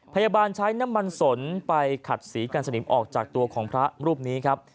พยาบาลใช้น้ำมันสนไปขัดสีกันสนิมออกจากตัวของพระรูปนี้ครับ